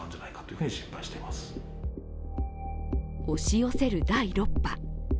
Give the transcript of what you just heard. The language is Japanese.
押し寄せる第６波。